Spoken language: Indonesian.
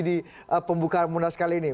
di pembukaan munas kali ini